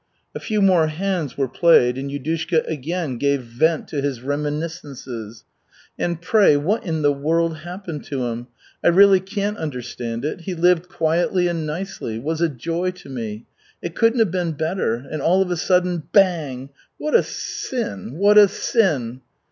A few more hands were played, and Yudushka again gave vent to his reminiscences. "And, pray, what in the world happened to him? I really can't understand it. He lived quietly and nicely, was a joy to me it couldn't have been better. And all of a sudden bang! What a sin, what a sin!